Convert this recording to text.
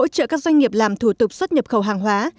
doanh nghiệp làm thủ tục xuất nhập khẩu hàng hóa